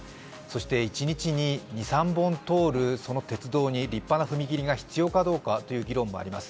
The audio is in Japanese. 一日に２３本通る、その踏切に立派な踏切が必要かどうかという議論もあります。